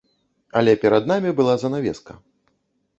Але перад намі была занавеска.